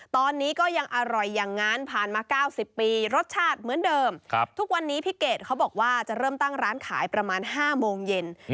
ตอนนี้ก็ยังอร่อยอย่างนั้นผ่านมา๙๐ปีรสชาติเหมือนเดิมทุกวันนี้พี่เกดเขาบอกว่าจะเริ่มตั้งร้านขายประมาณ๕โมงเย็น